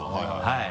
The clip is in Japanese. はい。